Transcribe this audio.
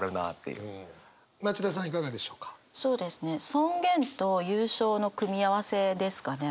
「尊厳」と「優勝」の組み合わせですかね。